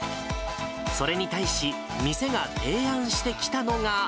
それに対し、店が提案してきたのが。